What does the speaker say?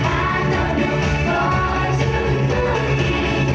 ว่าราดนั้นเพราะคุณเขาคิด